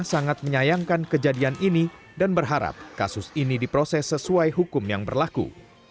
sangat menyayangkan kejadian ini dan berharap kasus ini diproses sesuai hukum yang berlaku